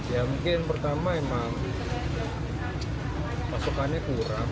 ya mungkin pertama emang pasukannya kurang